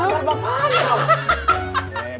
emak lu lepak banget